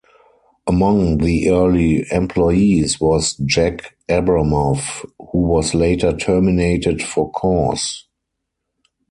Among the early employees was Jack Abramoff, who was later terminated for cause.